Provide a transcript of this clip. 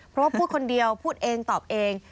เพราะว่าพูดคนเดียวพูดเองตอบเอง